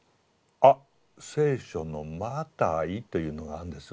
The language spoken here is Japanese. あ聖書のマタイというのがあるんですね。